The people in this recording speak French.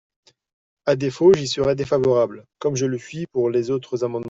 À défaut, j’y serai défavorable, comme je le suis pour les autres amendements.